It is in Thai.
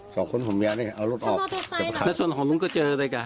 สองคนของแม่นี่เอารถออกแล้วส่วนของลุงก็เจอเลยกะ